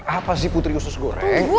apa sih putri khusus goreng